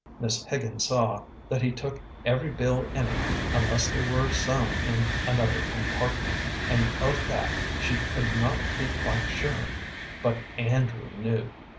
Miss Higgins saw that he took every bill in it, unless there were some in another compartment, and of that she could not be quite sure. But Andrew knew.